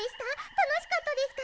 たのしかったですか？